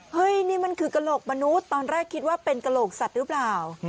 เฮ้ยนี่มันคือกระโหลกมนุษย์ตอนแรกคิดว่าเป็นกระโหลกสัตว์หรือเปล่า